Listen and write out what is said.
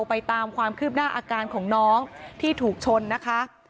ไปตามความคืบหน้าอาการของน้องที่ถูกชนนะคะ